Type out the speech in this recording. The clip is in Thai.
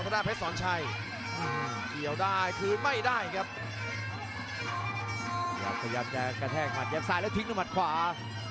ได้ใจเลยครับมาเป็นชุดเลยครับสนานเก้าแสน